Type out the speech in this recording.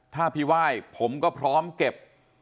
ถ้าพี่ไหว้ผมก็พร้อมเก็บ